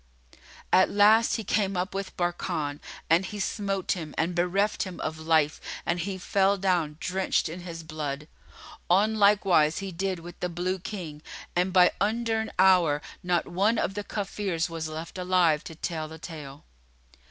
At last he came up with Barkan and smote him and bereft him of life and he fell down, drenched in his blood. On like wise he did with the Blue King, and by undurn hour not one of the Kafirs was left alive to tell the tale.